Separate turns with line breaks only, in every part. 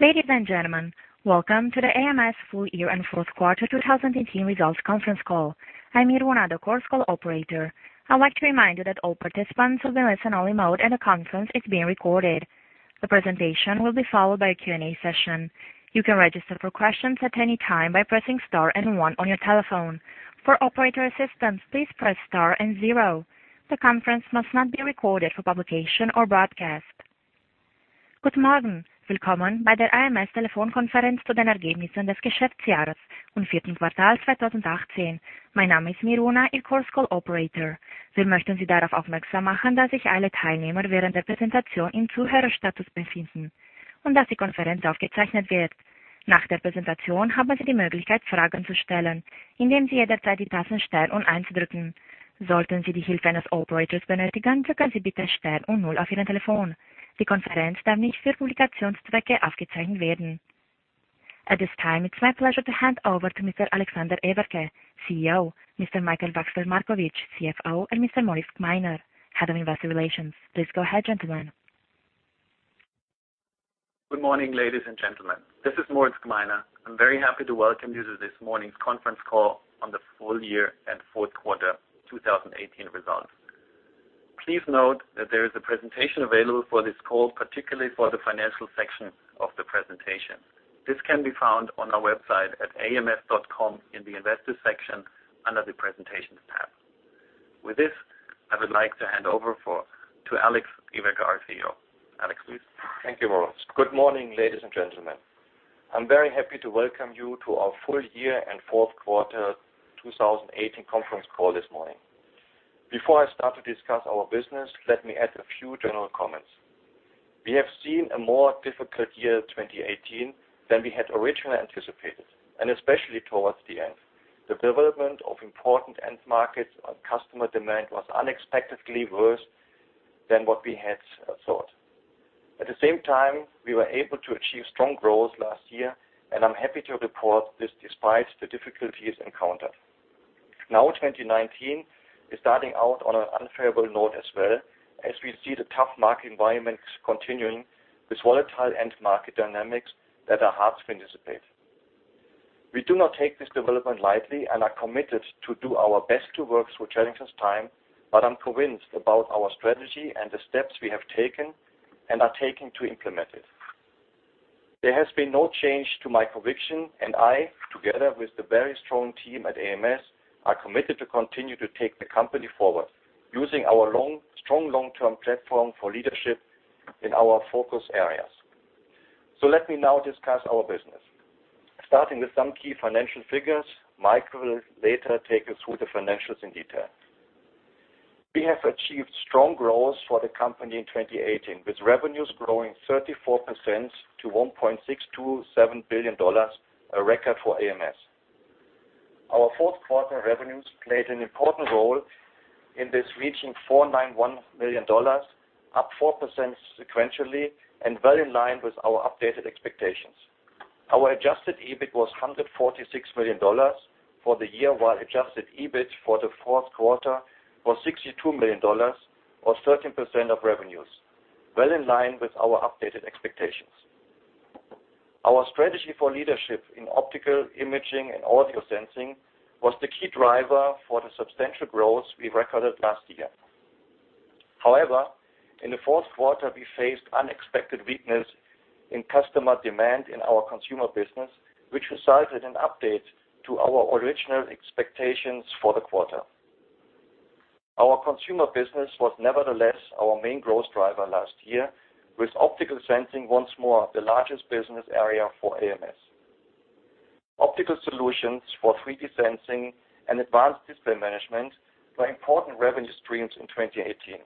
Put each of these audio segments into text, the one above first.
Ladies and gentlemen. Welcome to the ams full year and fourth quarter 2018 results conference call. I'm Miruna, the call operator. I would like to remind you that all participants will be in listen-only mode and the conference is being recorded. The presentation will be followed by a Q&A session. You can register for questions at any time by pressing star and one on your telephone. For operator assistance, please press star and zero. The conference must not be recorded for publication or broadcast. At this time, it's my pleasure to hand over to Mr. Alexander Everke, CEO, Mr. Michael Wachsler-Markowitsch, CFO, and Mr. Moritz Gmeiner, Head of Investor Relations. Please go ahead, gentlemen.
Good morning, ladies and gentlemen. This is Moritz Gmeiner. I'm very happy to welcome you to this morning's conference call on the full year and fourth quarter 2018 results. Please note that there is a presentation available for this call, particularly for the financial section of the presentation. This can be found on our website at ams.com in the investor section under the presentations tab. With this, I would like to hand over to Alex Everke, our CEO. Alex, please.
Thank you, Moritz. Good morning, ladies and gentlemen. I'm very happy to welcome you to our full year and fourth quarter 2018 conference call this morning. Before I start to discuss our business, let me add a few general comments. We have seen a more difficult year 2018 than we had originally anticipated, especially towards the end. The development of important end markets on customer demand was unexpectedly worse than what we had thought. At the same time, we were able to achieve strong growth last year, and I'm happy to report this despite the difficulties encountered. 2019 is starting out on an unfavorable note as well as we see the tough market environments continuing with volatile end market dynamics that are hard to anticipate. We do not take this development lightly and are committed to do our best to work through challenging times. I'm convinced about our strategy and the steps we have taken and are taking to implement it. There has been no change to my conviction, and I, together with the very strong team at ams, are committed to continue to take the company forward using our strong long-term platform for leadership in our focus areas. Let me now discuss our business. Starting with some key financial figures, Michael will later take us through the financials in detail. We have achieved strong growth for the company in 2018, with revenues growing 34% to $1.627 billion, a record for ams. Our fourth quarter revenues played an important role in this, reaching $491 million, up 4% sequentially and very in line with our updated expectations. Our adjusted EBIT was $146 million for the year, while adjusted EBIT for the fourth quarter was $62 million, or 13% of revenues, well in line with our updated expectations. Our strategy for leadership in optical imaging and audio sensing was the key driver for the substantial growth we recorded last year. In the fourth quarter, we faced unexpected weakness in customer demand in our consumer business, which resulted in an update to our original expectations for the quarter. Our consumer business was nevertheless our main growth driver last year, with optical sensing once more the largest business area for ams. Optical solutions for 3D sensing and advanced display management were important revenue streams in 2018.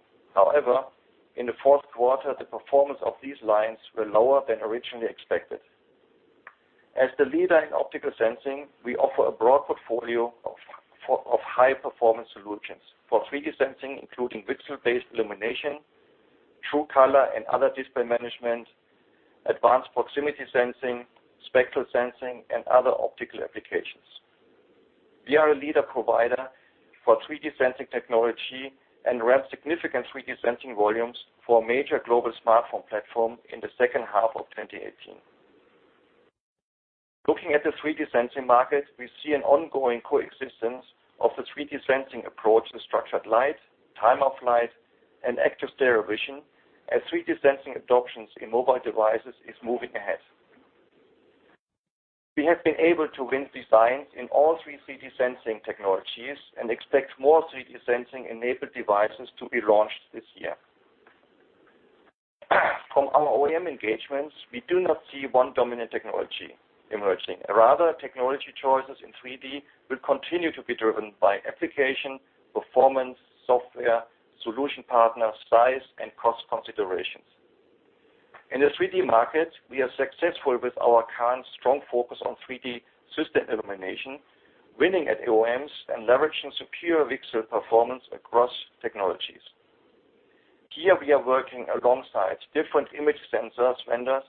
In the fourth quarter, the performance of these lines were lower than originally expected. As the leader in optical sensing, we offer a broad portfolio of high-performance solutions for 3D sensing, including pixel-based illumination, True Color and other display management, advanced proximity sensing, spectral sensing, and other optical applications. We are a leader provider for 3D sensing technology and ramp significant 3D sensing volumes for a major global smartphone platform in the second half of 2018. Looking at the 3D sensing market, we see an ongoing coexistence of the 3D sensing approach to structured light, time-of-flight, and active stereo vision as 3D sensing adoptions in mobile devices is moving ahead. We have been able to win designs in all three 3D sensing technologies and expect more 3D sensing-enabled devices to be launched this year. From our OEM engagements, we do not see one dominant technology emerging. Technology choices in 3D will continue to be driven by application, performance, software, solution partner, size, and cost considerations. In the 3D market, we are successful with our current strong focus on 3D system illumination, winning at OEMs and leveraging superior pixel performance across technologies. Here we are working alongside different image sensors vendors,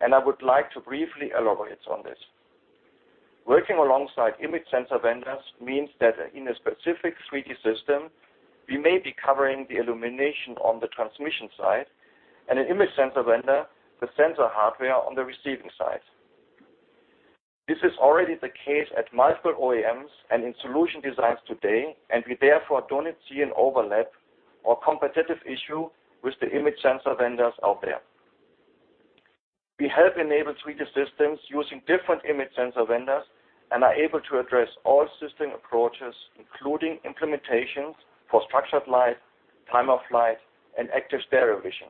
and I would like to briefly elaborate on this. Working alongside image sensor vendors means that in a specific 3D system, we may be covering the illumination on the transmission side and an image sensor vendor, the sensor hardware on the receiving side. This is already the case at multiple OEMs and in solution designs today, and we therefore don't see an overlap or competitive issue with the image sensor vendors out there. We have enabled 3D systems using different image sensor vendors and are able to address all system approaches, including implementations for structured light, time-of-flight, and active stereo vision,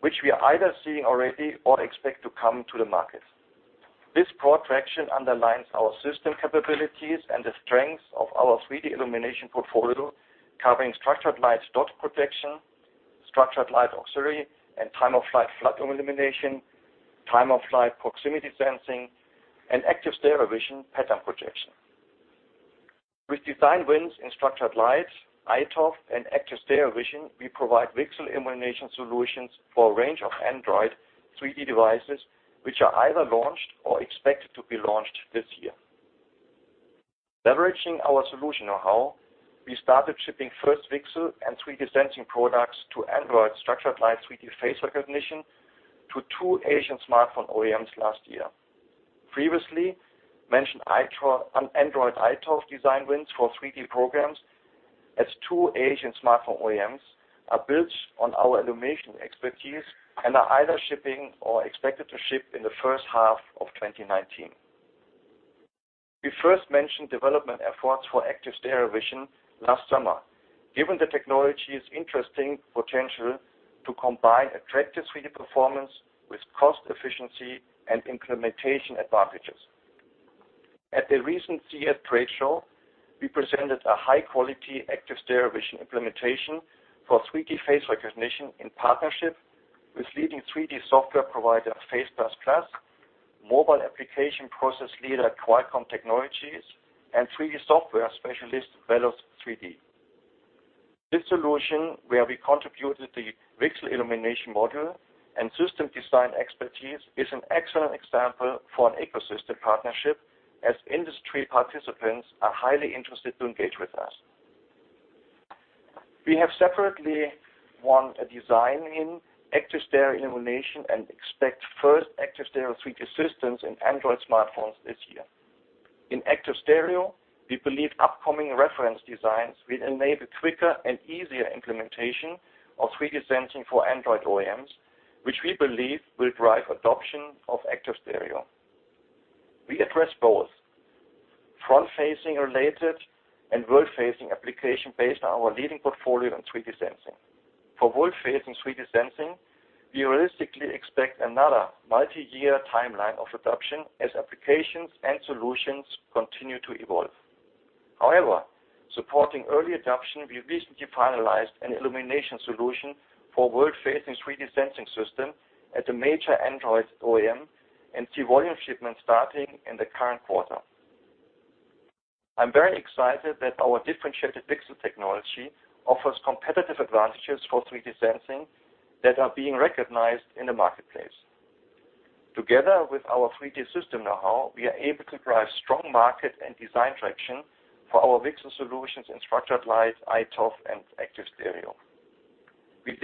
which we are either seeing already or expect to come to the market. This broad traction underlines our system capabilities and the strengths of our 3D illumination portfolio, covering structured light spot projection, structured light auxiliary, and time-of-flight flood illumination, time-of-flight proximity sensing, and active stereo vision pattern projection. With design wins in structured light, iToF, and active stereo vision, we provide VCSEL illumination solutions for a range of Android 3D devices which are either launched or expected to be launched this year. Leveraging our solution know-how, we started shipping first VCSEL and 3D sensing products to Android structured light 3D face recognition to two Asian smartphone OEMs last year. Previously mentioned Android iToF design wins for 3D programs at two Asian smartphone OEMs are built on our illumination expertise and are either shipping or expected to ship in the first half of 2019. We first mentioned development efforts for active stereo vision last summer, given the technology's interesting potential to combine attractive 3D performance with cost efficiency and implementation advantages. At the recent CES trade show, we presented a high-quality active stereo vision implementation for 3D face recognition in partnership with leading 3D software provider Face++, mobile application processor leader Qualcomm Technologies, and 3D software specialist Bellus3D. This solution, where we contributed the VCSEL illumination module and system design expertise, is an excellent example for an ecosystem partnership as industry participants are highly interested to engage with us. We have separately won a design in active stereo illumination and expect first active stereo 3D systems in Android smartphones this year. In active stereo, we believe upcoming reference designs will enable quicker and easier implementation of 3D sensing for Android OEMs, which we believe will drive adoption of active stereo. We address both front-facing related and world-facing application based on our leading portfolio in 3D sensing. For world-facing 3D sensing, we realistically expect another multi-year timeline of adoption as applications and solutions continue to evolve. Supporting early adoption, we recently finalized an illumination solution for world-facing 3D sensing system at a major Android OEM and see volume shipments starting in the current quarter. I'm very excited that our differentiated VCSEL technology offers competitive advantages for 3D sensing that are being recognized in the marketplace. Together with our 3D system know-how, we are able to drive strong market and design traction for our VCSEL solutions in structured light, iToF, and active stereo. We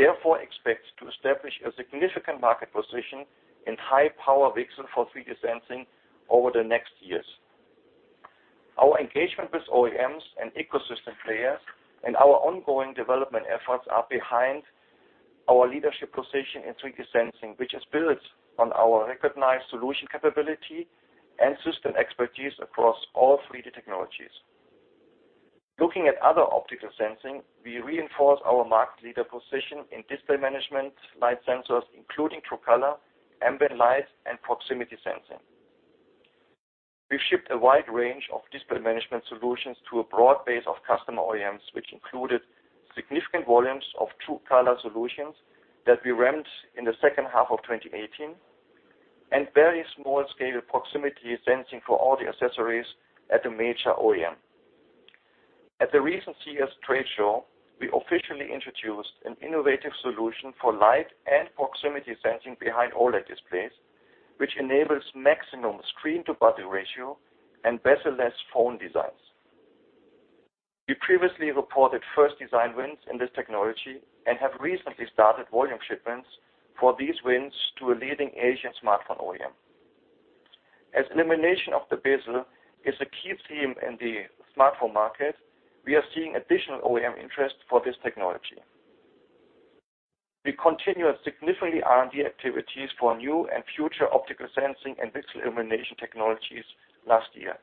expect to establish a significant market position in high-power VCSEL for 3D sensing over the next years. Our engagement with OEMs and ecosystem players and our ongoing development efforts are behind our leadership position in 3D sensing, which is built on our recognized solution capability and system expertise across all 3D technologies. Looking at other optical sensing, we reinforce our market leader position in display management, light sensors, including True Color, ambient light, and proximity sensing. We've shipped a wide range of display management solutions to a broad base of customer OEMs, which included significant volumes of True Color solutions that we ramped in the second half of 2018 and very small-scale proximity sensing for audio accessories at a major OEM. At the recent CES trade show, we officially introduced an innovative solution for light and proximity sensing behind OLED displays, which enables maximum screen-to-body ratio and bezel-less phone designs. We previously reported first design wins in this technology and have recently started volume shipments for these wins to a leading Asian smartphone OEM. Elimination of the bezel is a key theme in the smartphone market, we are seeing additional OEM interest for this technology. We continued significant R&D activities for new and future optical sensing and VCSEL illumination technologies last year.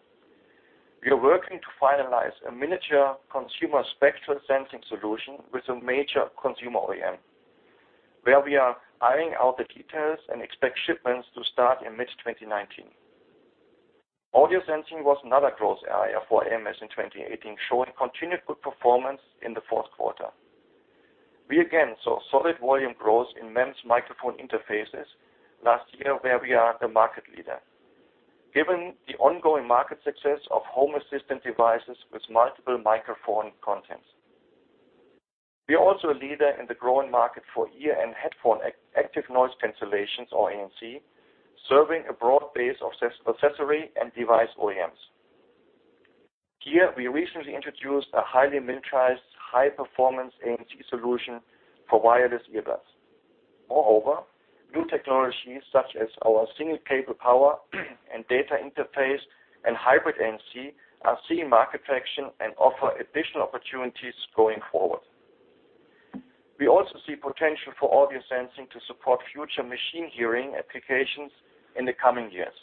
We are working to finalize a miniature consumer spectral sensing solution with a major consumer OEM, where we are ironing out the details and expect shipments to start in mid-2019. Audio sensing was another growth area for ams in 2018, showing continued good performance in the fourth quarter. We again saw solid volume growth in MEMS microphone interfaces last year, where we are the market leader, given the ongoing market success of home assistant devices with multiple microphone contents. We are also a leader in the growing market for ear and headphone Active Noise Cancellation, or ANC, serving a broad base of accessory and device OEMs. Here, we recently introduced a highly miniaturized, high-performance ANC solution for wireless earbuds. New technologies such as our single cable power and data interface and hybrid ANC are seeing market traction and offer additional opportunities going forward. We also see potential for audio sensing to support future machine hearing applications in the coming years.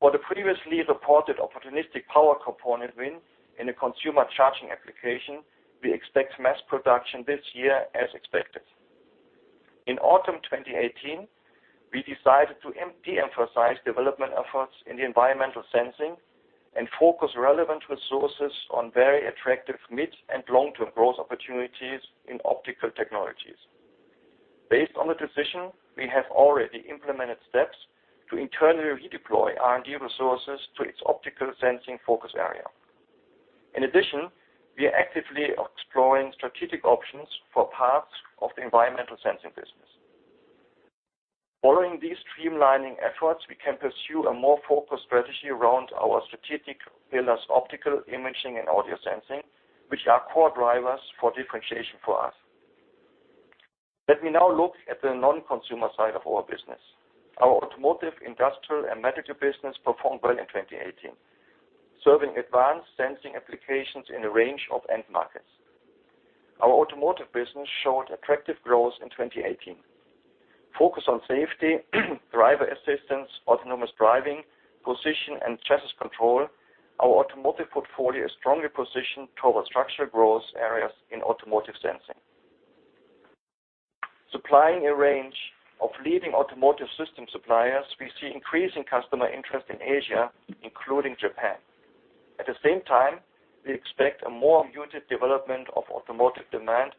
For the previously reported opportunistic power component win in a consumer charging application, we expect mass production this year as expected. In autumn 2018, we decided to de-emphasize development efforts in the environmental sensing and focus relevant resources on very attractive mid and long-term growth opportunities in optical technologies. Based on the decision, we have already implemented steps to internally redeploy R&D resources to its optical sensing focus area. We are actively exploring strategic options for parts of the environmental sensing business. Following these streamlining efforts, we can pursue a more focused strategy around our strategic pillars, optical imaging and audio sensing, which are core drivers for differentiation for us. Let me now look at the non-consumer side of our business. Our Automotive, Industrial, and Medical business performed well in 2018, serving advanced sensing applications in a range of end markets. Our automotive business showed attractive growth in 2018. Focus on safety, driver assistance, autonomous driving, position, and chassis control, our automotive portfolio is strongly positioned toward structural growth areas in automotive sensing. Supplying a range of leading automotive system suppliers, we see increasing customer interest in Asia, including Japan. We expect a more muted development of automotive demand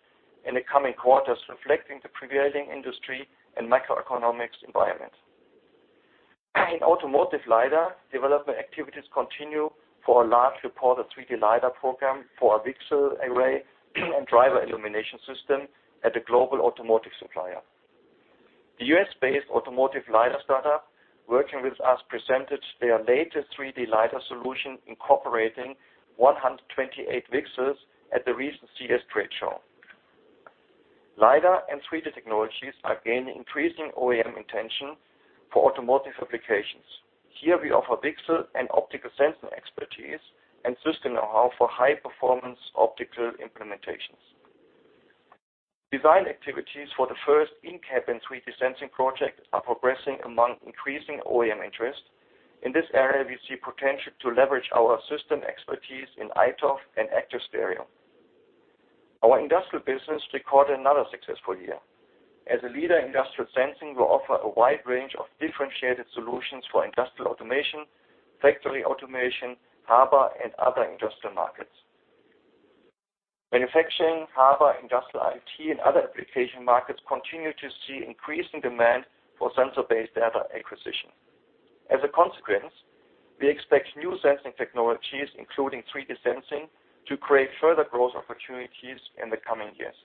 in the coming quarters, reflecting the prevailing industry and macroeconomics environment. In automotive lidar, development activities continue for a large reported 3D lidar program for a VCSEL array and driver illumination system at a global automotive supplier. The U.S.-based automotive lidar startup working with us presented their latest 3D lidar solution incorporating 128 VCSELs at the recent CES trade show. Lidar and 3D technologies are gaining increasing OEM intention for automotive applications. We offer VCSEL and optical sensor expertise and system know-how for high-performance optical implementations. Design activities for the first in-cabin 3D sensing project are progressing among increasing OEM interest. In this area, we see potential to leverage our system expertise in iToF and active stereo. Our Industrial business recorded another successful year. As a leader in industrial sensing, we offer a wide range of differentiated solutions for industrial automation, factory automation, harbor, and other industrial markets. Manufacturing, harbor, industrial IT, and other application markets continue to see increasing demand for sensor-based data acquisition. We expect new sensing technologies, including 3D sensing, to create further growth opportunities in the coming years.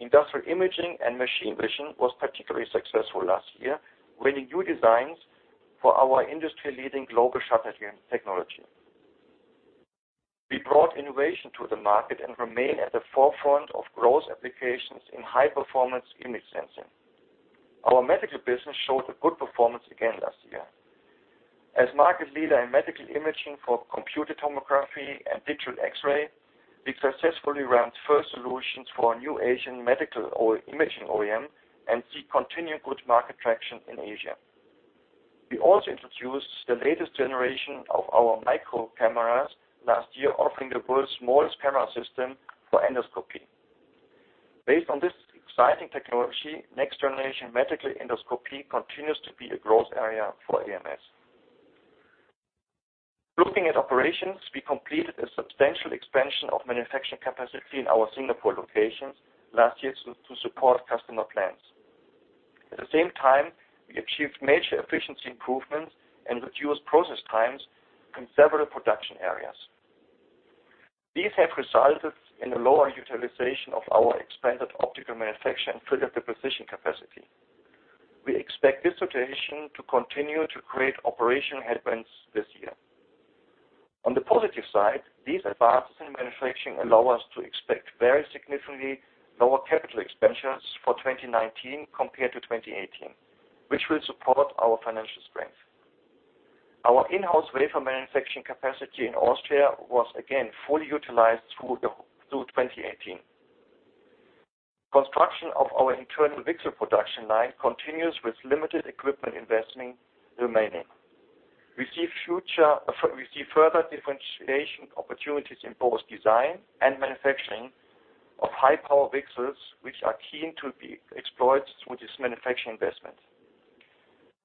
Industrial imaging and machine vision was particularly successful last year, winning new designs for our industry-leading global shutter technology. We brought innovation to the market and remain at the forefront of growth applications in high-performance image sensing. Our Medical business showed a good performance again last year. As market leader in medical imaging for computed tomography and digital X-ray, we successfully ramped first solutions for a new Asian medical imaging OEM and see continued good market traction in Asia. We also introduced the latest generation of our micro cameras last year, offering the world's smallest camera system for endoscopy. Based on this exciting technology, next generation medical endoscopy continues to be a growth area for ams. Looking at operations, we completed a substantial expansion of manufacturing capacity in our Singapore locations last year to support customer plans. At the same time, we achieved major efficiency improvements and reduced process times in several production areas. These have resulted in a lower utilization of our expanded optical manufacturing through the deposition capacity. We expect this situation to continue to create operational headwinds this year. On the positive side, these advances in manufacturing allow us to expect very significantly lower capital expenditures for 2019 compared to 2018, which will support our financial strength. Our in-house wafer manufacturing capacity in Austria was again fully utilized through 2018. Construction of our internal VCSEL production line continues with limited equipment investment remaining. We see further differentiation opportunities in both design and manufacturing of high-power VCSELs, which are keen to be explored through this manufacturing investment.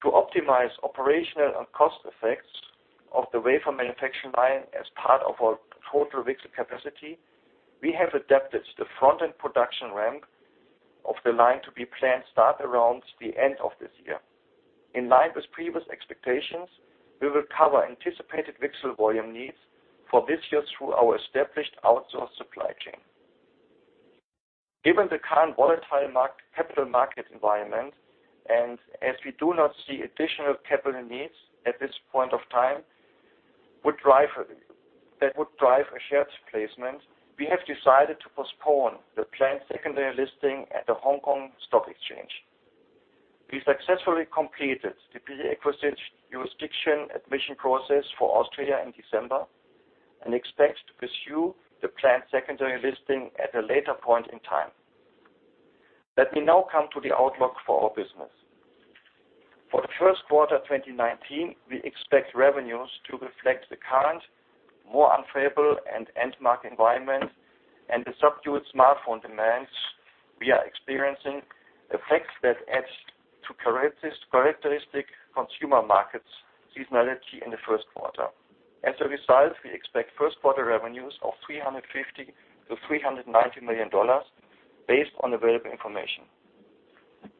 To optimize operational and cost effects of the wafer manufacturing line as part of our total VCSEL capacity, we have adapted the front-end production ramp of the line to be planned start around the end of this year. In line with previous expectations, we will cover anticipated VCSEL volume needs for this year through our established outsourced supply chain. Given the current volatile capital market environment, as we do not see additional capital needs at this point of time, that would drive a shares placement, we have decided to postpone the planned secondary listing at the Hong Kong Stock Exchange. We successfully completed the pre-acquisition jurisdiction admission process for Australia in December, expect to pursue the planned secondary listing at a later point in time. Let me now come to the outlook for our business. For the first quarter 2019, we expect revenues to reflect the current, more unfavorable end market environment and the subdued smartphone demands we are experiencing, effects that add to characteristic consumer markets seasonality in the first quarter. As a result, we expect first quarter revenues of $350 million-$390 million based on available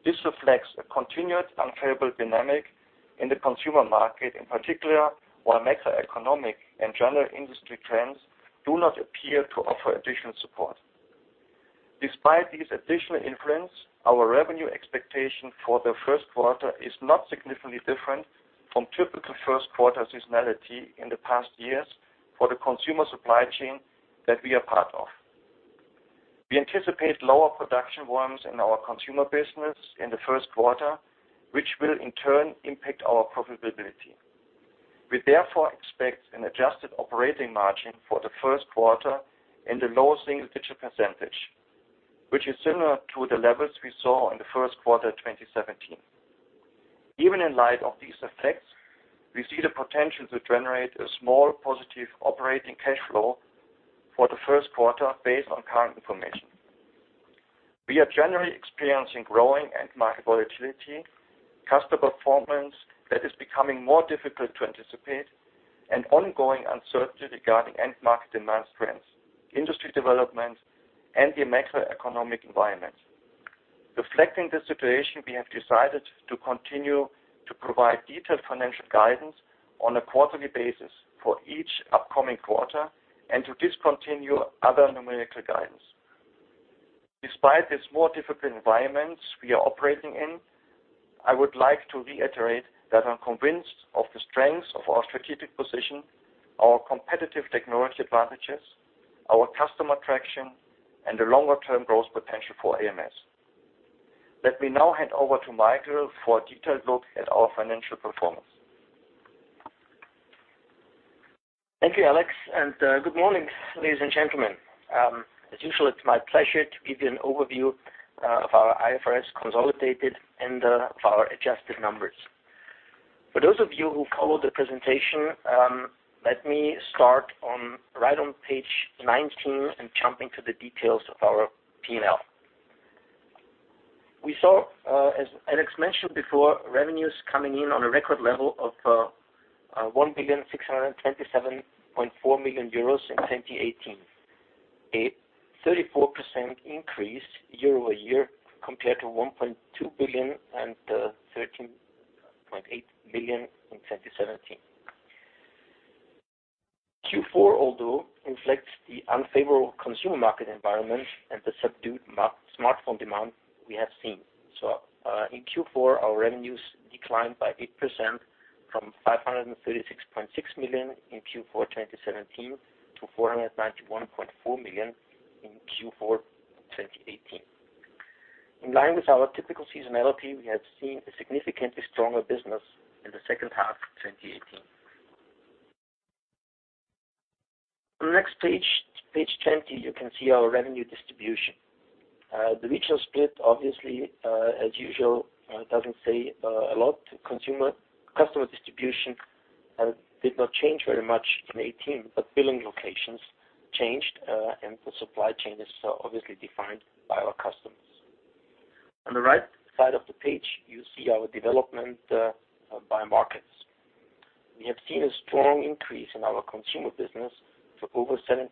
information. This reflects a continued unfavorable dynamic in the consumer market, in particular, while macroeconomic and general industry trends do not appear to offer additional support. Despite these additional influence, our revenue expectation for the first quarter is not significantly different from typical first-quarter seasonality in the past years for the consumer supply chain that we are part of. We anticipate lower production volumes in our consumer business in the first quarter, which will in turn impact our profitability. We therefore expect an adjusted operating margin for the first quarter in the low single-digit percentage, which is similar to the levels we saw in the first quarter 2017. Even in light of these effects, we see the potential to generate a small positive operating cash flow for the first quarter based on current information. We are generally experiencing growing end market volatility, customer performance that is becoming more difficult to anticipate, and ongoing uncertainty regarding end market demand trends, industry development, and the macroeconomic environment. Reflecting the situation, we have decided to continue to provide detailed financial guidance on a quarterly basis for each upcoming quarter and to discontinue other numerical guidance. Despite this more difficult environment we are operating in, I would like to reiterate that I'm convinced of the strengths of our strategic position, our competitive technology advantages, our customer traction, and the longer-term growth potential for ams. Let me now hand over to Michael for a detailed look at our financial performance.
Thank you, Alex. Good morning, ladies and gentlemen. As usual, it's my pleasure to give you an overview of our IFRS consolidated and our adjusted numbers. For those of you who followed the presentation, let me start right on page 19 and jump into the details of our P&L. We saw, as Alex mentioned before, revenues coming in on a record level of 1.627 euros. billion in 2018, a 34% increase year-over-year compared to 1.2 billion and 13.8 million in 2017. Q4, although, reflects the unfavorable consumer market environment and the subdued smartphone demand we have seen. In Q4, our revenues declined by 8% from 536.6 million in Q4 2017 to 491.4 million in Q4 2018. In line with our typical seasonality, we have seen a significantly stronger business in the second half of 2018. On the next page 20, you can see our revenue distribution. The regional split, obviously, as usual, doesn't say a lot to customer distribution, did not change very much in 2018. Billing locations changed. The supply chain is obviously defined by our customers. On the right side of the page, you see our development by markets. We have seen a strong increase in our consumer business for over 70%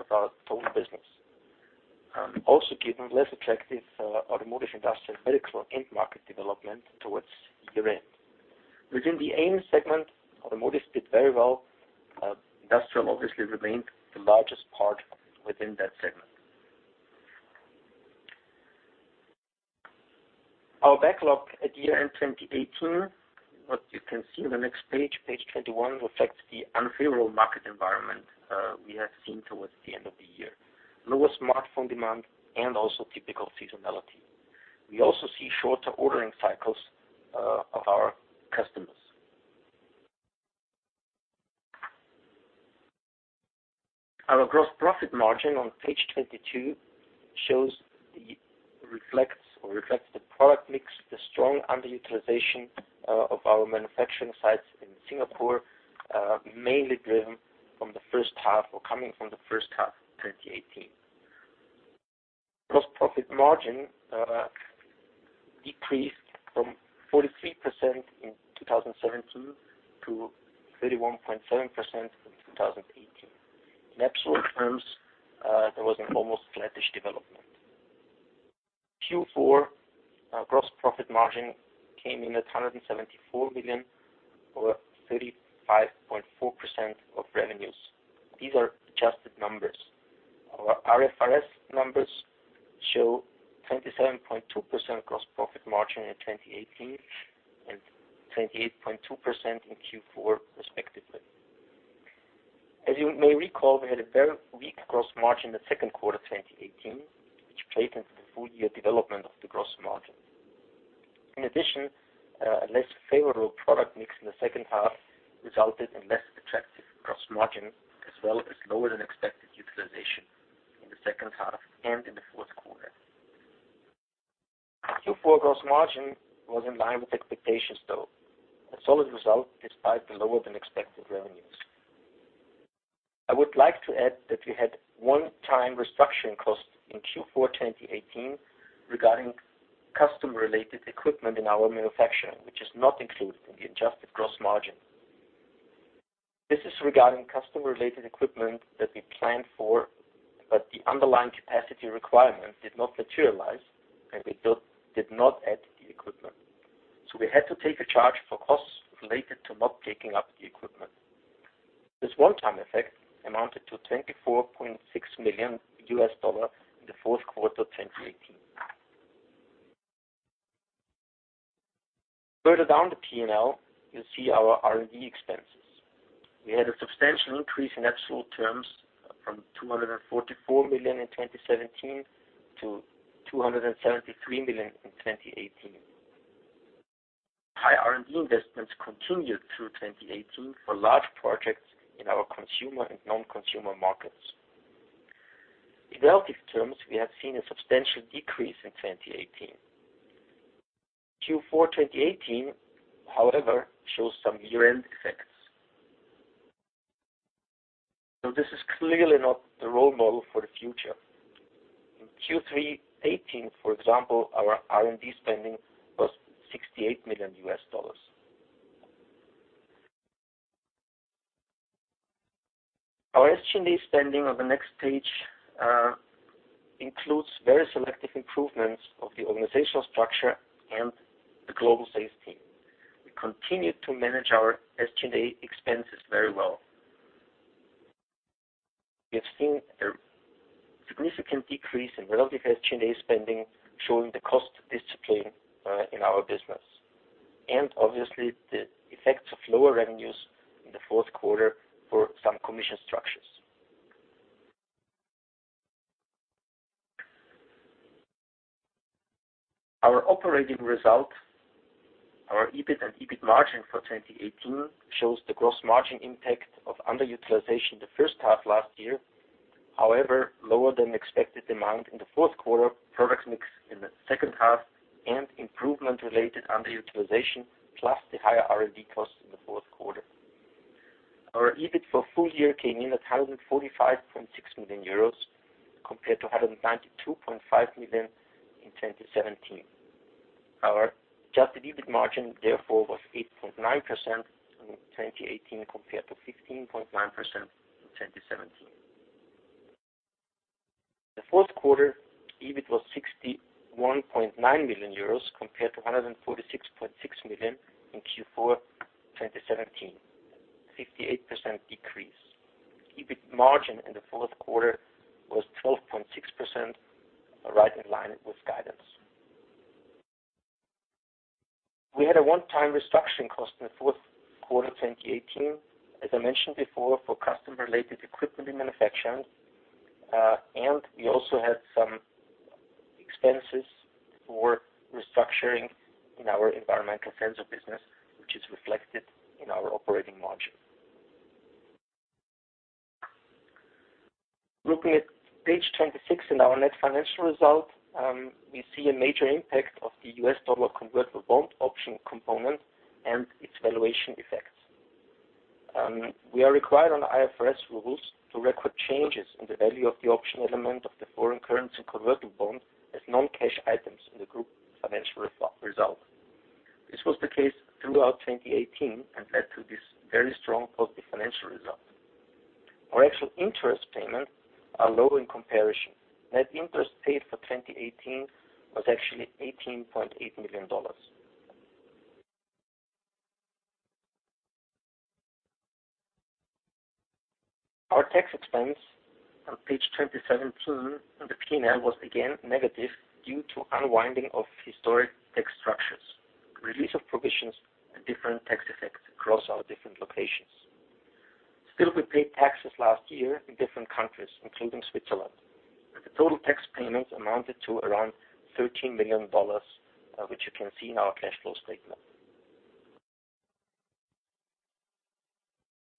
of our total business. Also given less attractive automotive, industrial, medical end market development towards year-end. Within the AIM segment, automotive did very well. Industrial obviously remained the largest part within that segment. Our backlog at year-end 2018, what you can see on the next page 21, reflects the unfavorable market environment we have seen towards the end of the year. Lower smartphone demand and also typical seasonality. We also see shorter ordering cycles of our customers. Our gross profit margin on page 22 reflects the product mix, the strong underutilization of our manufacturing sites in Singapore, mainly driven from the first half or coming from the first half of 2018. Gross profit margin decreased from 43% in 2017 to 31.7% in 2018. In absolute terms, there was an almost flattish development. Q4 gross profit margin came in at 174 million, or 35.4% of revenues. These are adjusted numbers. Our IFRS numbers show 27.2% gross profit margin in 2018 and 28.2% in Q4 respectively. As you may recall, we had a very weak gross margin in the second quarter 2018, which played into the full year development of the gross margin. In addition, a less favorable product mix in the second half resulted in less attractive gross margin, as well as lower than expected utilization in the second half and in the fourth quarter. Q4 gross margin was in line with expectations, though. A solid result despite the lower than expected revenues. I would like to add that we had one-time restructuring costs in Q4 2018 regarding customer-related equipment in our manufacturing, which is not included in the adjusted gross margin. This is regarding customer-related equipment that we planned for, but the underlying capacity requirement did not materialize, and we did not add the equipment. We had to take a charge for costs related to not taking up the equipment. This one-time effect amounted to $24.6 million in the fourth quarter of 2018. Further down the P&L, you'll see our R&D expenses. We had a substantial increase in absolute terms from 244 million in 2017 to 273 million in 2018. High R&D investments continued through 2018 for large projects in our consumer and non-consumer markets. In relative terms, we have seen a substantial decrease in 2018. Q4 2018, however, shows some year-end effects. This is clearly not the role model for the future. In Q3 2018, for example, our R&D spending was $68 million. Our SG&A spending on the next page includes very selective improvements of the organizational structure and the global sales team. We continue to manage our SG&A expenses very well. We have seen a significant decrease in relative SG&A spending, showing the cost discipline in our business, and obviously the effects of lower revenues in the fourth quarter for some commission structures. Our operating result, our EBIT and EBIT margin for 2018, shows the gross margin impact of underutilization the first half last year. However, lower than expected demand in the fourth quarter, product mix in the second half, and improvement related underutilization, plus the higher R&D costs in the fourth quarter. Our EBIT for full year came in at 145.6 million euros compared to 192.5 million in 2017. Our adjusted EBIT margin, therefore, was 8.9% in 2018 compared to 15.9% in 2017. The fourth quarter EBIT was 61.9 million euros compared to 146.6 million in Q4 2017, a 58% decrease. EBIT margin in the fourth quarter was 12.6%, right in line with guidance. We had a one-time restructuring cost in the fourth quarter 2018, as I mentioned before, for customer-related equipment in manufacturing, and we also had some expenses for restructuring in our environmental sensor business, which is reflected in our operating margin. Looking at page 26 in our net financial result, we see a major impact of the US dollar convertible bond option component and its valuation effects. We are required on IFRS rules to record changes in the value of the option element of the foreign currency convertible bond as non-cash items in the group financial result. This was the case throughout 2018 and led to this very strong positive financial result. Our actual interest payments are low in comparison. Net interest paid for 2018 was actually $18.8 million. Our tax expense on page 217 of the P&L was again negative due to unwinding of historic tax structures, release of provisions, and different tax effects across our different locations. Still, we paid taxes last year in different countries, including Switzerland. The total tax payments amounted to around $13 million, which you can see in our cash flow statement.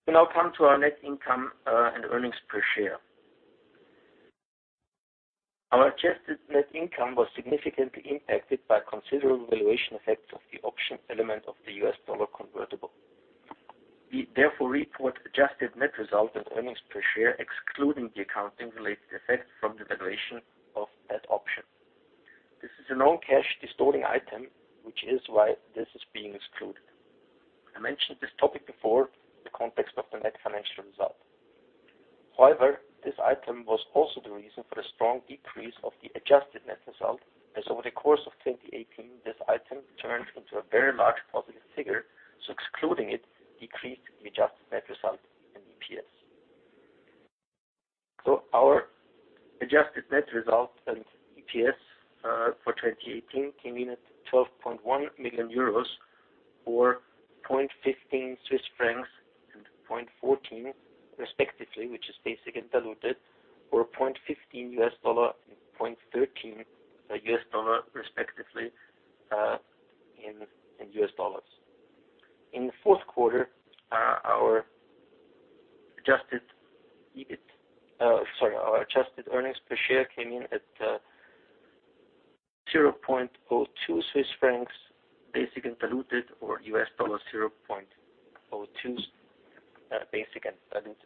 We now come to our net income and earnings per share. Our adjusted net income was significantly impacted by considerable valuation effects of the option element of the US dollar convertible bond. We therefore report adjusted net result and earnings per share excluding the accounting-related effect from the valuation of that option. This is a non-cash distorting item, which is why this is being excluded. I mentioned this topic before in the context of the net financial result. However, this item was also the reason for the strong decrease of the adjusted net result, as over the course of 2018, this item turned into a very large positive figure, excluding it decreased the adjusted net result and EPS. Our adjusted net result and EPS for 2018 came in at 12.1 million euros or 0.15 Swiss francs and 0.14 respectively, which is basic and diluted, or $0.15 and $0.13 respectively in US dollars. In the fourth quarter, our adjusted earnings per share came in at 0.02 Swiss francs, basic and diluted, or $0.02 basic and diluted.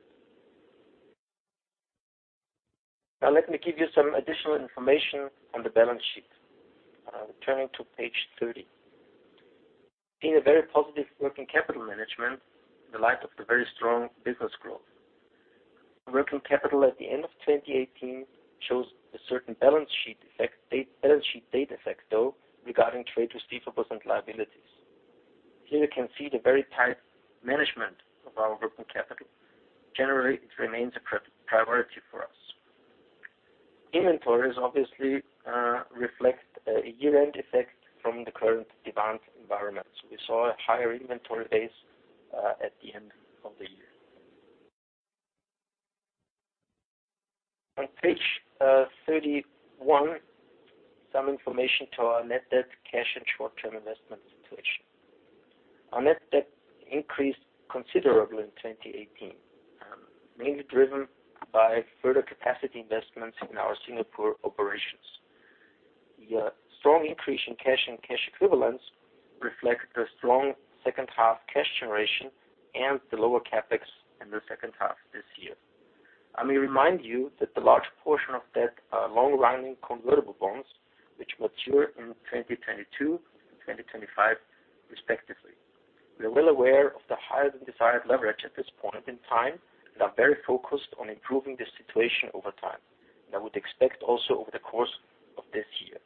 Let me give you some additional information on the balance sheet. Turning to page 30. In a very positive working capital management in the light of the very strong business growth. Working capital at the end of 2018 shows a certain balance sheet date effect though, regarding trade receivables and liabilities. Here you can see the very tight management of our working capital. Generally, it remains a priority for us. Inventories obviously reflect a year-end effect from the current demand environment. We saw a higher inventory base at the end of the year. On page 31, some information to our net debt, cash, and short-term investment situation. Our net debt increased considerably in 2018, mainly driven by further capacity investments in our Singapore operations. The strong increase in cash and cash equivalents reflect the strong second-half cash generation and the lower CapEx in the second half this year. Let me remind you that the large portion of debt are long-running convertible bonds, which mature in 2022 and 2025, respectively. We are well aware of the higher than desired leverage at this point in time and are very focused on improving the situation over time. I would expect also over the course of this year.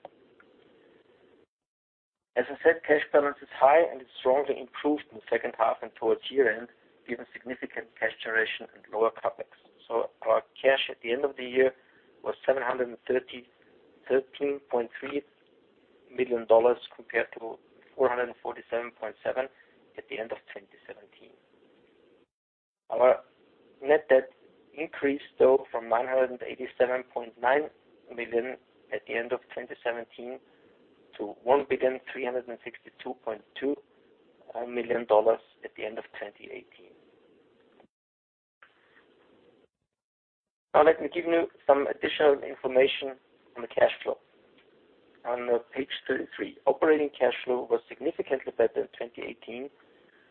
As I said, cash balance is high and it strongly improved in the second half and towards year-end, given significant cash generation and lower CapEx. Our cash at the end of the year was $713.3 million compared to $447.7 at the end of 2017. Our net debt increased, though, from $987.9 million at the end of 2017 to $1,362.2 million at the end of 2018. Let me give you some additional information on the cash flow. On page 33, operating cash flow was significantly better in 2018,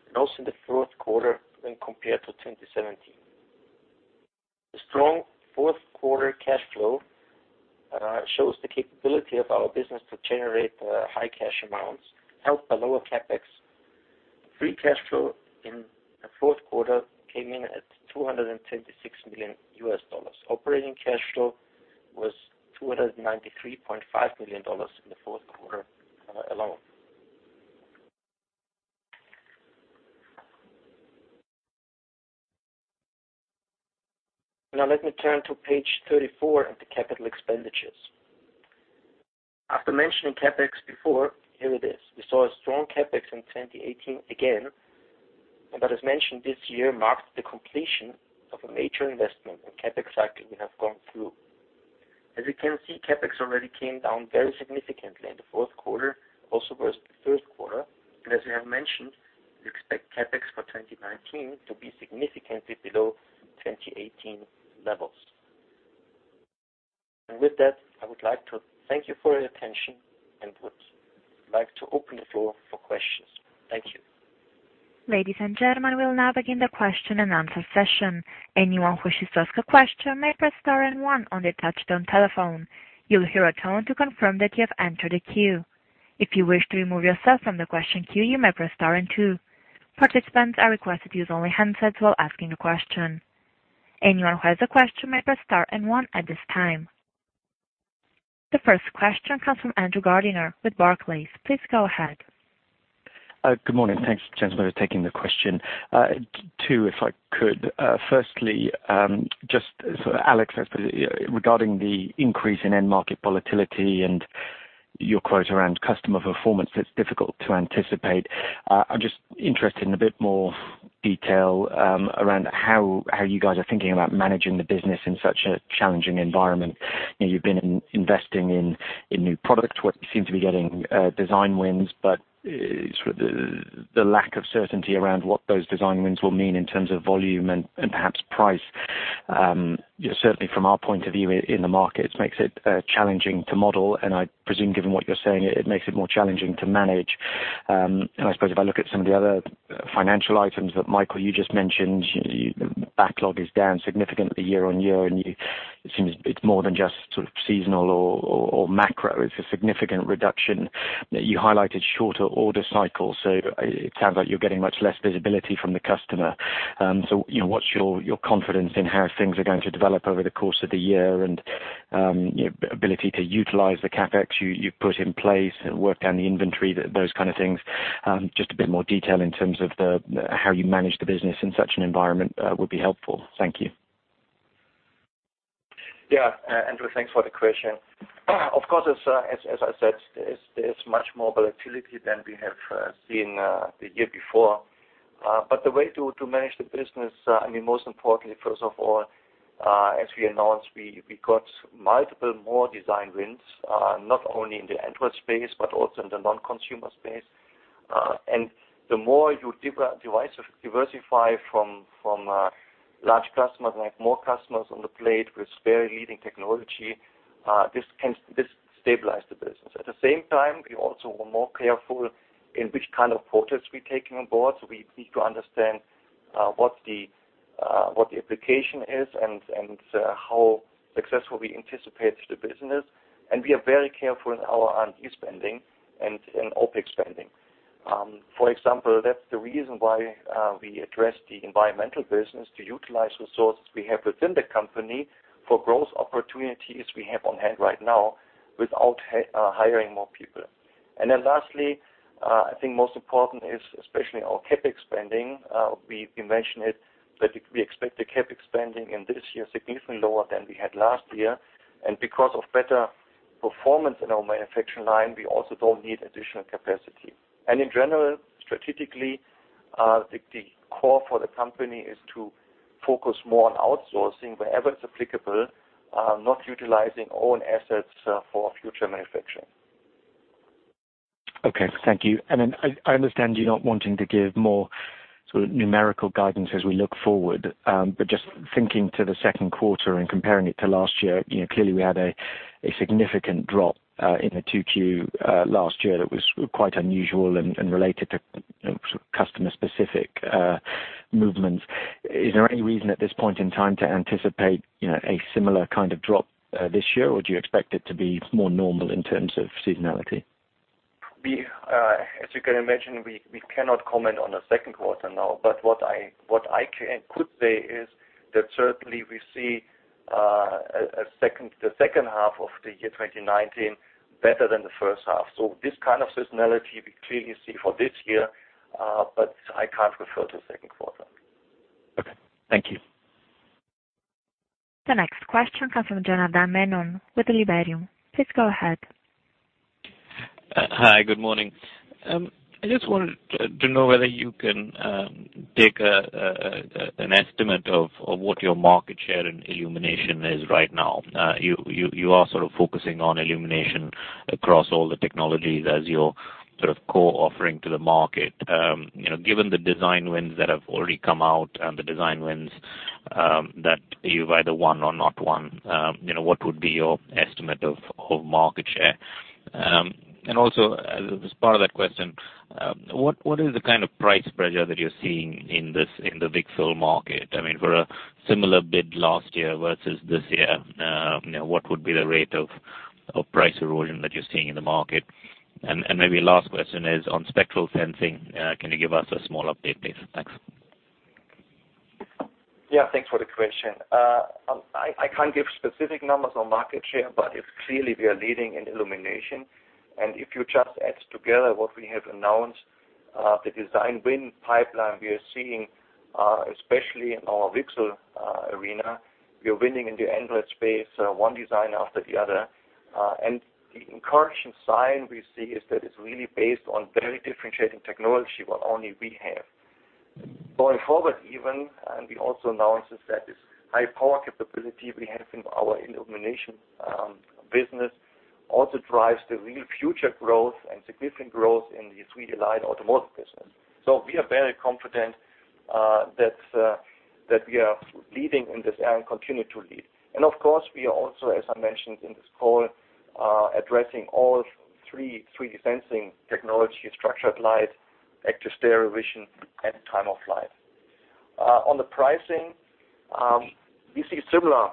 and also in the fourth quarter when compared to 2017. The strong fourth quarter cash flow shows the capability of our business to generate high cash amounts, helped by lower CapEx. Free cash flow in the fourth quarter came in at $226 million US. Operating cash flow was $293.5 million in the fourth quarter alone. Let me turn to page 34 at the capital expenditures. After mentioning CapEx before, here it is. We saw a strong CapEx in 2018 again. As mentioned, this year marks the completion of a major investment and CapEx cycle we have gone through. As you can see, CapEx already came down very significantly in the fourth quarter, also versus the third quarter. As we have mentioned, we expect CapEx for 2019 to be significantly below 2018 levels. With that, I would like to thank you for your attention and would like to open the floor for questions. Thank you.
Ladies and gentlemen, we will now begin the question and answer session. Anyone who wishes to ask a question may press star and one on their touchtone telephone. You will hear a tone to confirm that you have entered a queue. If you wish to remove yourself from the question queue, you may press star and two. Participants are requested to use only handsets while asking the question. Anyone who has a question may press star and one at this time. The first question comes from Andrew Gardiner with Barclays. Please go ahead.
Good morning. Thanks, gentlemen, for taking the question. Two, if I could. Firstly, just so Alex says regarding the increase in end market volatility and your quote around customer performance, it is difficult to anticipate. I am just interested in a bit more detail around how you guys are thinking about managing the business in such a challenging environment. You have been investing in new products where you seem to be getting design wins. The lack of certainty around what those design wins will mean in terms of volume and perhaps price. Certainly from our point of view in the markets, makes it challenging to model. I presume given what you are saying, it makes it more challenging to manage. I suppose if I look at some of the other financial items that Michael, you just mentioned, backlog is down significantly year-on-year. It seems it is more than just sort of seasonal or macro. It is a significant reduction. You highlighted shorter order cycles. It sounds like you are getting much less visibility from the customer. What is your confidence in how things are going to develop over the course of the year and ability to utilize the CapEx you have put in place and work down the inventory, those kind of things? Just a bit more detail in terms of how you manage the business in such an environment would be helpful. Thank you.
Yeah. Andrew, thanks for the question. Of course, as I said, there's much more volatility than we have seen the year before. The way to manage the business, most importantly, first of all, as we announced, we got multiple more design wins, not only in the Android space but also in the non-consumer space. The more you diversify from large customers and have more customers on the plate with very leading technology, this stabilize the business. At the same time, we also were more careful in which kind of products we're taking on board, so we need to understand what the application is and how successful we anticipate the business. We are very careful in our R&D spending and in OPEX spending. For example, that's the reason why we addressed the environmental business to utilize resources we have within the company for growth opportunities we have on hand right now without hiring more people. Lastly, I think most important is especially our CapEx spending. We mentioned it, that we expect the CapEx spending in this year significantly lower than we had last year. Because of better performance in our manufacturing line, we also don't need additional capacity. In general, strategically, the core for the company is to focus more on outsourcing wherever it's applicable, not utilizing own assets for future manufacturing.
Okay. Thank you. I understand you're not wanting to give more sort of numerical guidance as we look forward. Just thinking to the second quarter and comparing it to last year, clearly we had a significant drop in the 2Q last year that was quite unusual and related to customer-specific movements. Is there any reason at this point in time to anticipate a similar kind of drop this year, or do you expect it to be more normal in terms of seasonality?
As you can imagine, we cannot comment on the second quarter now, but what I could say is that certainly we see the second half of the year 2019 better than the first half. This kind of seasonality we clearly see for this year, but I can't refer to the second quarter.
Okay. Thank you.
The next question comes from Janardan Menon with Liberum. Please go ahead.
Hi. Good morning. I just wanted to know whether you can take an estimate of what your market share in illumination is right now. You are sort of focusing on illumination across all the technologies as your sort of core offering to the market. Given the design wins that have already come out and the design wins that you've either won or not won, what would be your estimate of market share? Also, as part of that question, what is the kind of price pressure that you're seeing in the VCSEL market? For a similar bid last year versus this year, what would be the rate of price erosion that you're seeing in the market? Maybe last question is on spectral sensing. Can you give us a small update, please? Thanks.
Yeah. Thanks for the question. I can't give specific numbers on market share, it's clearly we are leading in illumination. If you just add together what we have announced, the design win pipeline we are seeing, especially in our VCSEL arena, we are winning in the Android space, one design after the other. The encouraging sign we see is that it's really based on very differentiating technology what only we have. Going forward even, and we also announced is that this high power capability we have in our illumination business also drives the real future growth and significant growth in the 3D light automotive business. We are very confident that we are leading in this and continue to lead. Of course, we are also, as I mentioned in this call, addressing all three 3D sensing technology, structured light, active stereo vision, and time-of-flight. On the pricing, we see similar.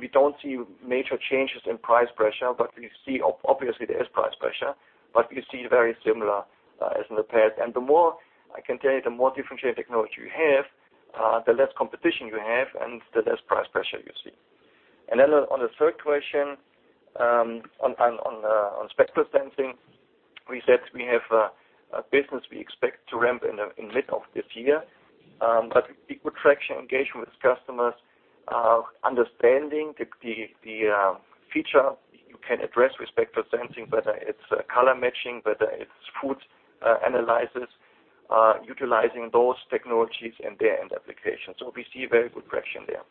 We don't see major changes in price pressure, but we see obviously there is price pressure, but we see very similar as in the past. I can tell you, the more differentiated technology you have, the less competition you have and the less price pressure you see. On the third question, on spectral sensing, we said we have a business we expect to ramp in the middle of this year. Good traction engagement with customers, understanding the feature you can address with spectral sensing, whether it's color matching, whether it's food analysis, utilizing those technologies in their end application. We see very good traction there.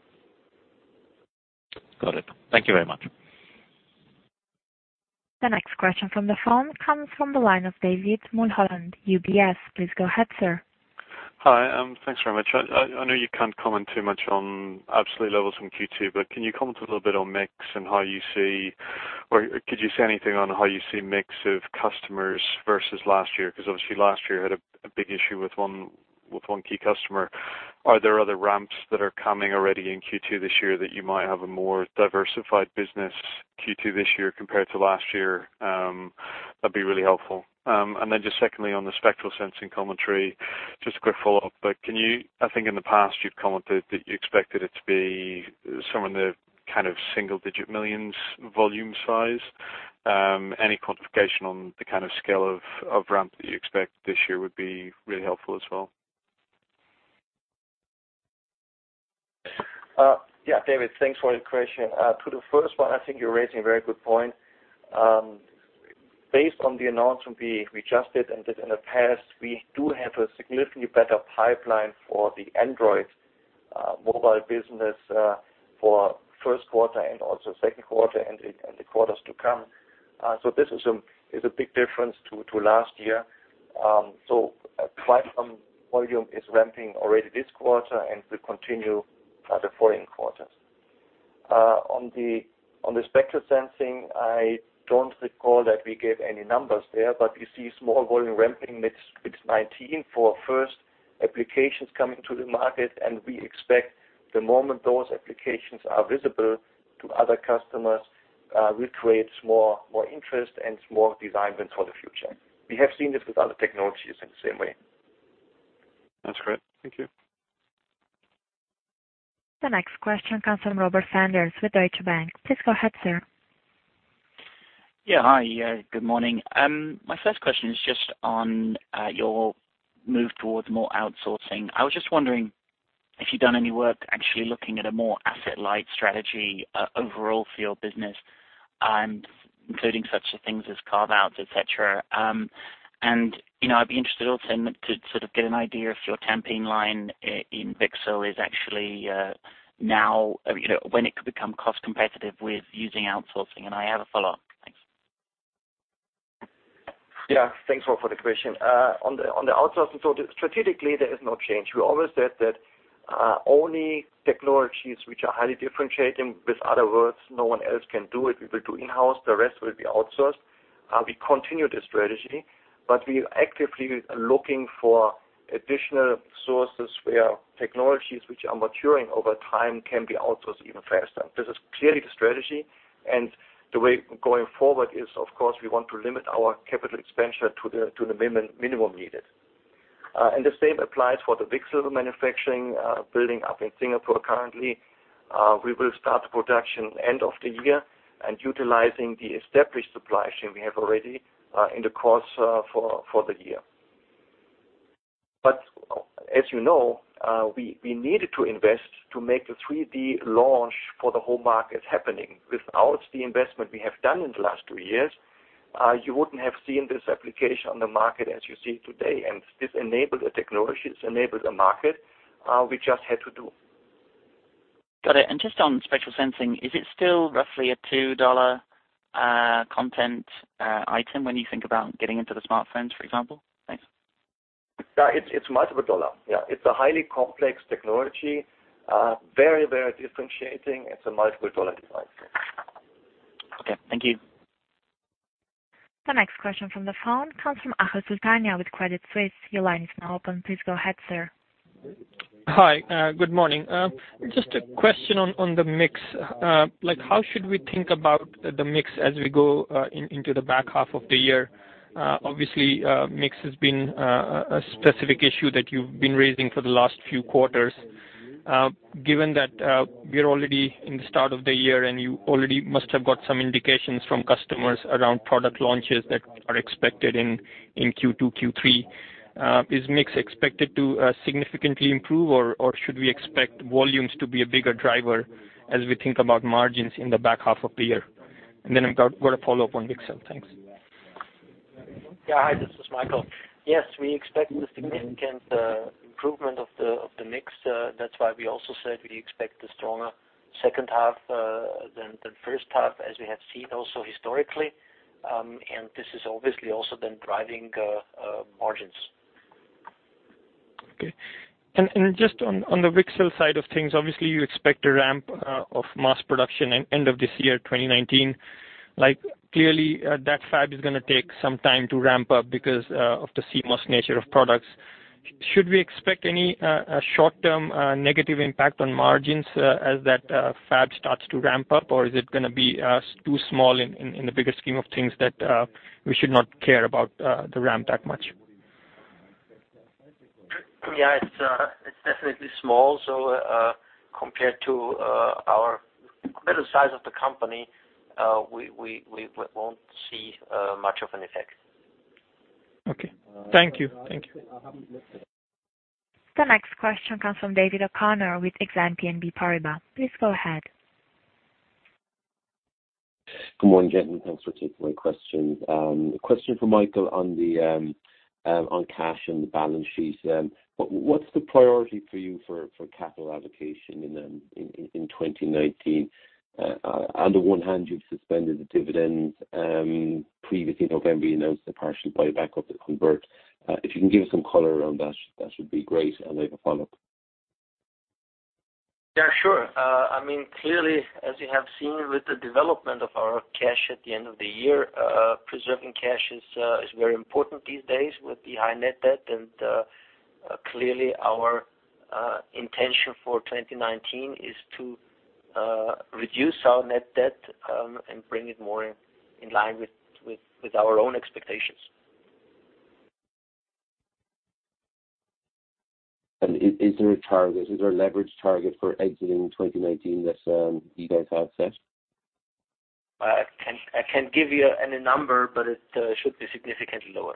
Got it. Thank you very much.
The next question from the phone comes from the line of David Mulholland, UBS. Please go ahead, sir.
Hi. Thanks very much. I know you can't comment too much on absolute levels from Q2, but can you comment a little bit on mix and how you see, or could you say anything on how you see mix of customers versus last year? Obviously last year had a big issue with one key customer. Are there other ramps that are coming already in Q2 this year that you might have a more diversified business Q2 this year compared to last year? That'd be really helpful. Then just secondly, on the spectral sensing commentary, just a quick follow-up. I think in the past you've commented that you expected it to be somewhere in the kind of single-digit millions volume size. Any quantification on the kind of scale of ramp that you expect this year would be really helpful as well.
Yeah. David, thanks for your question. To the first one, I think you're raising a very good point. Based on the announcement we just did and did in the past, we do have a significantly better pipeline for the Android mobile business for first quarter and also second quarter and the quarters to come. This is a big difference to last year. Quite some volume is ramping already this quarter and will continue the following quarters. On the spectral sensing, I don't recall that we gave any numbers there, but we see small volume ramping mid 2019 for first applications coming to the market, and we expect the moment those applications are visible to other customers, will create more interest and more design wins for the future. We have seen this with other technologies in the same way.
That's great. Thank you.
The next question comes from Robert Sanders with Deutsche Bank. Please go ahead, sir.
Yeah. Hi. Good morning. My first question is just on your move towards more outsourcing. I was just wondering if you've done any work actually looking at a more asset-light strategy overall for your business, including such things as carve-outs, et cetera. I'd be interested also in to sort of get an idea if your temping line in VCSEL is actually when it could become cost competitive with using outsourcing. I have a follow-up. Thanks.
Yeah. Thanks, Rob, for the question. On the outsourcing, strategically, there is no change. We always said that only technologies which are highly differentiating, in other words, no one else can do it, we will do in-house. The rest will be outsourced. We continue this strategy. We actively are looking for additional sources where technologies which are maturing over time can be outsourced even faster. This is clearly the strategy, and the way going forward is, of course, we want to limit our capital expenditure to the minimum needed. The same applies for the VCSEL manufacturing building up in Singapore currently. We will start production end of the year and utilizing the established supply chain we have already in the course for the year. But as you know, we needed to invest to make the 3D launch for the whole market happening. Without the investment we have done in the last two years, you wouldn't have seen this application on the market as you see today. This enabled the technologies, enabled the market, we just had to do.
Got it. Just on spectral sensing, is it still roughly a $2 content item when you think about getting into the smartphones, for example? Thanks.
Yeah, it's multiple dollar. Yeah. It's a highly complex technology, very differentiating. It's a multiple dollar device, yes.
Okay. Thank you.
The next question from the phone comes from Achal Sultania with Crédit Suisse. Your line is now open. Please go ahead, sir.
Hi. Good morning. Just a question on the mix. How should we think about the mix as we go into the back half of the year? Obviously, mix has been a specific issue that you've been raising for the last few quarters. Given that we are already in the start of the year and you already must have got some indications from customers around product launches that are expected in Q2, Q3, is mix expected to significantly improve, or should we expect volumes to be a bigger driver as we think about margins in the back half of the year? Then I've got a follow-up on VCSEL. Thanks.
Yeah. Hi, this is Michael. Yes, we expect a significant improvement of the mix. That's why we also said we expect a stronger second half than first half, as we have seen also historically. This is obviously also then driving margins.
Okay. Just on the VCSEL side of things, obviously you expect a ramp of mass production in end of this year, 2019. Clearly, that fab is going to take some time to ramp up because of the CMOS nature of products. Should we expect any short-term negative impact on margins as that fab starts to ramp up? Or is it going to be too small in the bigger scheme of things that we should not care about the ramp that much?
Yeah. It's definitely small. Compared to our better size of the company, we won't see much of an effect.
Okay. Thank you.
The next question comes from David O'Connor with Exane BNP Paribas. Please go ahead.
Good morning, gentlemen. Thanks for taking my questions. A question for Michael on cash and the balance sheet. What's the priority for you for capital allocation in 2019? On the one hand, you've suspended the dividends. Previously, in November, you announced the partial buyback of the convert. If you can give us some color around that would be great. I have a follow-up.
Yeah, sure. Clearly, as you have seen with the development of our cash at the end of the year, preserving cash is very important these days with the high net debt. Clearly, our intention for 2019 is to reduce our net debt and bring it more in line with our own expectations.
Is there a leverage target for exiting 2019 that you guys have set?
I can give you a number, but it should be significantly lower.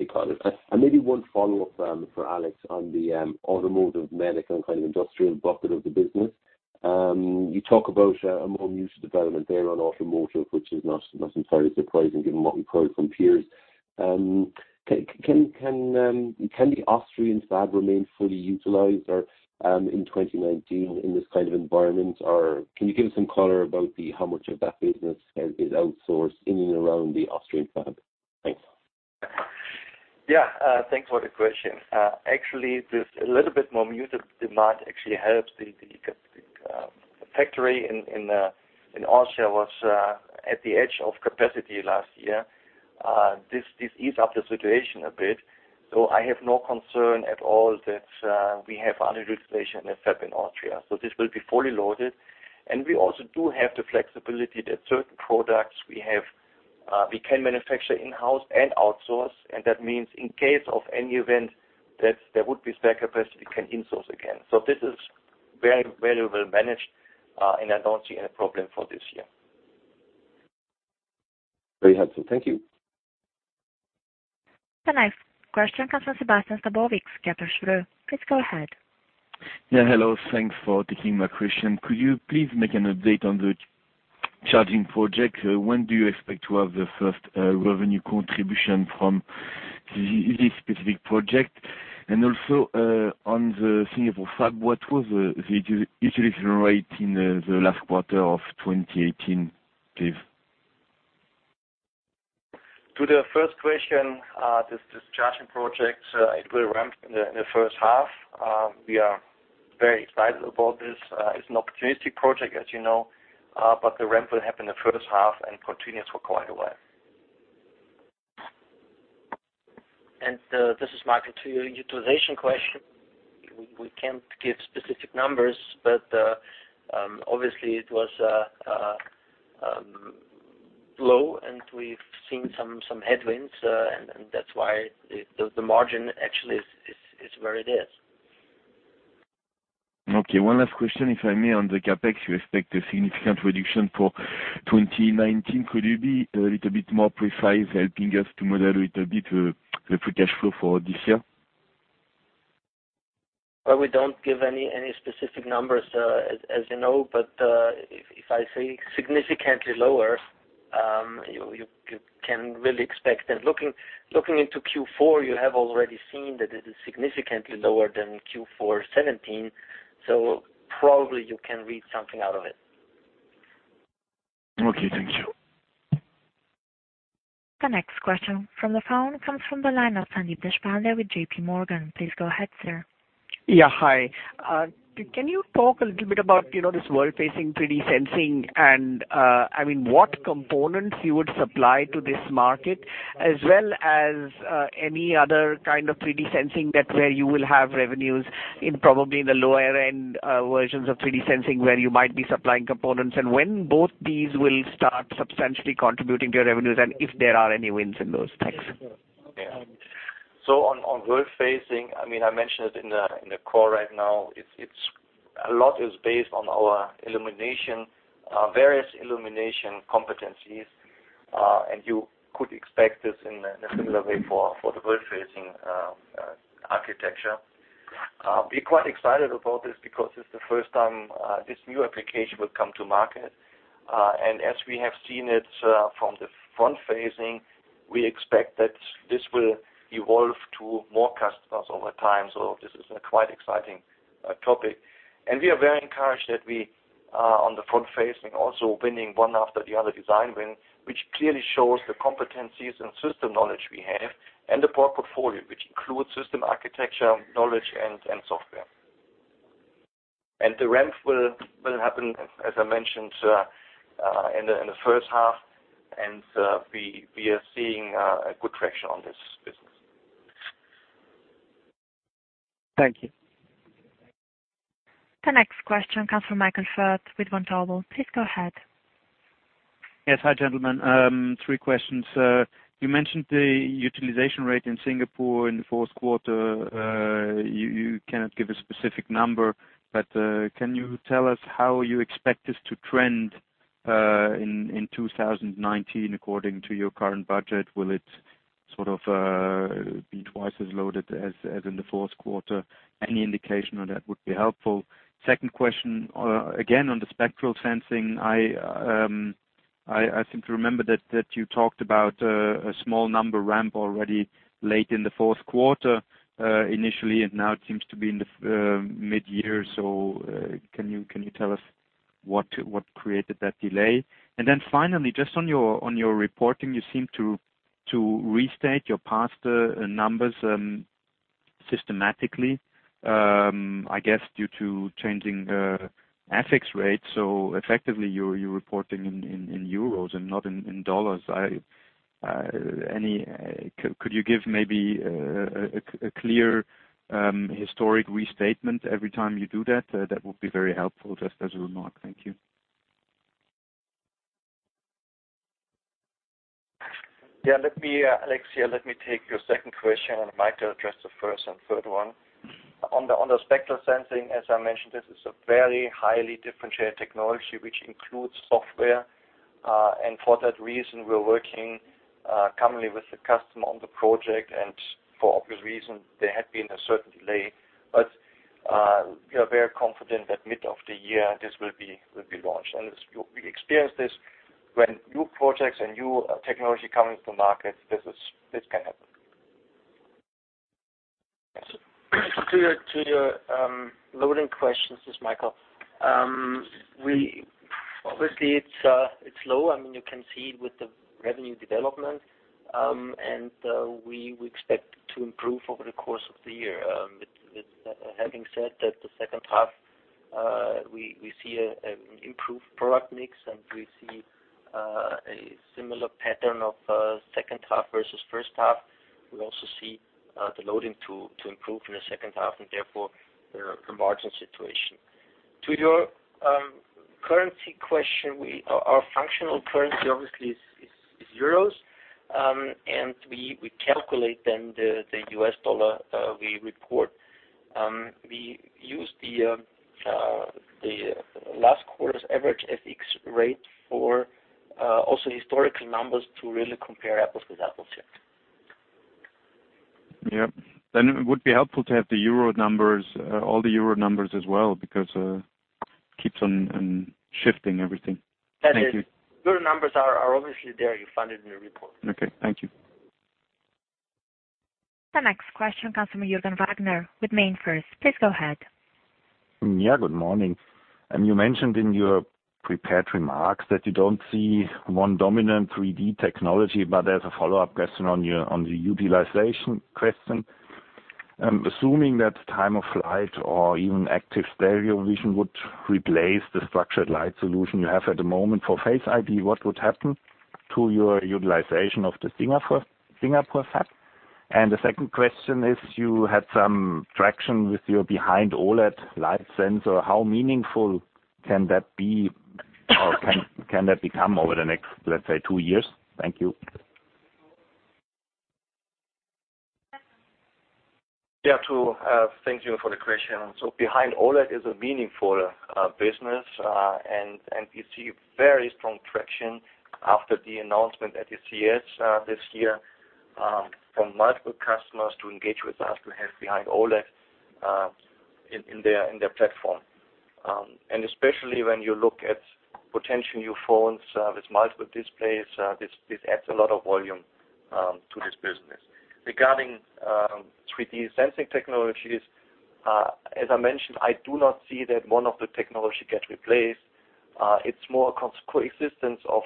Okay. Maybe one follow-up for Alex on the automotive, medical, and kind of industrial bucket of the business. You talk about a more muted development there on automotive, which is not entirely surprising given what we've heard from peers. Can the Austrian fab remain fully utilized in 2019 in this kind of environment, or can you give us some color about how much of that business is outsourced in and around the Austrian fab? Thanks.
Yeah. Thanks for the question. Actually, this a little bit more muted demand actually helps. The factory in Austria was at the edge of capacity last year. This eased up the situation a bit. I have no concern at all that we have underutilization of fab in Austria, this will be fully loaded. We also do have the flexibility that certain products we can manufacture in-house and outsource. That means in case of any event that there would be spare capacity, we can insource again. This is very well managed, and I don't see any problem for this year.
Very helpful. Thank you.
The next question comes from Sébastien Sztabowicz, Kepler Cheuvreux. Please go ahead.
Yeah, hello. Thanks for taking my question. Could you please make an update on the charging project? When do you expect to have the first revenue contribution from this specific project? Also, on the Singapore fab, what was the utilization rate in the last quarter of 2018? Please.
To the first question, this charging project, it will ramp in the first half. We are very excited about this. It's an opportunity project, as you know. The ramp will happen the first half and continues for quite a while.
This is Michael. To your utilization question, we can't give specific numbers, obviously, it was low. We've seen some headwinds, and that's why the margin actually is where it is.
Okay, one last question, if I may, on the CapEx. You expect a significant reduction for 2019. Could you be a little bit more precise, helping us to model a little bit the free cash flow for this year?
Well, we don't give any specific numbers, as you know. If I say significantly lower, you can really expect that. Looking into Q4, you have already seen that it is significantly lower than Q4 2017, probably you can read something out of it.
Okay, thank you.
The next question, from the phone, comes from the line of Sandeep Deshpande with JPMorgan. Please go ahead, sir.
Yeah, hi. Can you talk a little bit about this world-facing 3D sensing, and what components you would supply to this market as well as any other kind of 3D sensing that where you will have revenues in probably the lower-end versions of 3D sensing where you might be supplying components? When both these will start substantially contributing to your revenues and if there are any wins in those? Thanks.
On world-facing, I mentioned it in the call right now. A lot is based on our various illumination competencies. You could expect this in a similar way for the world-facing architecture. We're quite excited about this because it's the first time this new application will come to market. As we have seen it from the front-facing, we expect that this will evolve to more customers over time. This is a quite exciting topic. We are very encouraged that we are, on the front-facing, also winning one after the other design win, which clearly shows the competencies and system knowledge we have and the broad portfolio, which includes system architecture, knowledge, and software. The ramp will happen, as I mentioned, in the first half. We are seeing a good traction on this business.
Thank you.
The next question comes from Michael Foeth with Vontobel. Please go ahead.
Yes. Hi, gentlemen. Three questions. You mentioned the utilization rate in Singapore in the fourth quarter. You cannot give a specific number, but can you tell us how you expect this to trend in 2019 according to your current budget?
Sort of be twice as loaded as in the fourth quarter. Any indication on that would be helpful. Second question, again, on the spectral sensing. I seem to remember that you talked about a small number ramp already late in the fourth quarter initially, and now it seems to be in the mid-year. Can you tell us what created that delay? Finally, just on your reporting, you seem to restate your past numbers systematically, I guess, due to changing FX rates. Effectively, you're reporting in euros and not in dollars. Could you give maybe a clear historic restatement every time you do that? That would be very helpful, just as a remark. Thank you. Yeah, Alex, let me take your second question, and Michael address the first and third one. On the spectral sensing, as I mentioned, this is a very highly differentiated technology which includes software. For that reason, we're working commonly with the customer on the project, and for obvious reasons, there had been a certain delay. We are very confident that mid of the year, this will be launched. We experience this when new projects and new technology come into the market, this can happen.
Yes.
To your loading questions, this is Michael. Obviously, it's low. You can see with the revenue development, and we expect to improve over the course of the year. With having said that, the second half, we see an improved product mix, and we see a similar pattern of second half versus first half. We also see the loading to improve in the second half and therefore the margin situation. To your currency question, our functional currency obviously is euros, and we calculate then the US dollar we report. We use the last quarter's average FX rate for also historical numbers to really compare apples with apples here.
Yep. It would be helpful to have all the euro numbers as well, because it keeps on shifting everything. Thank you.
That is, euro numbers are obviously there. You find it in the report.
Okay. Thank you.
The next question comes from Jürgen Wagner with MainFirst. Please go ahead.
Yeah, good morning. You mentioned in your prepared remarks that you don't see one dominant 3D technology, as a follow-up question on the utilization question, assuming that time-of-flight or even active stereo vision would replace the structured light solution you have at the moment for Face ID, what would happen to your utilization of the Singapore hub? And the second question is, you had some traction with your behind OLED light sensor. How meaningful can that be or can that become over the next, let's say, two years? Thank you.
Two. Thank you for the question. Behind OLED is a meaningful business, and we see very strong traction after the announcement at the CES this year from multiple customers to engage with us to have behind OLED in their platform. Especially when you look at potential new phones with multiple displays, this adds a lot of volume to this business. Regarding 3D sensing technologies, as I mentioned, I do not see that one of the technology gets replaced. It's more coexistence of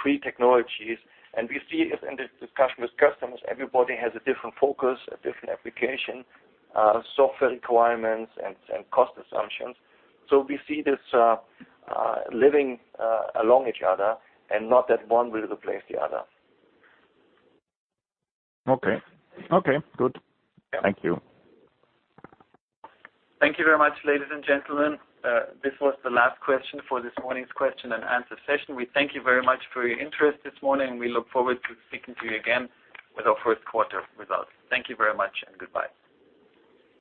three technologies. We see it in the discussion with customers, everybody has a different focus, a different application, software requirements, and cost assumptions. We see this living along each other and not that one will replace the other.
Okay. Good. Thank you.
Thank you very much, ladies and gentlemen. This was the last question for this morning's question and answer session. We thank you very much for your interest this morning. We look forward to speaking to you again with our first quarter results. Thank you very much and goodbye.